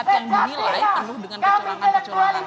yang dinilai penuh dengan kecerangan kecerangan